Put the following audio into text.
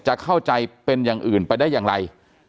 เข้าใจเป็นอย่างอื่นไปได้อย่างไร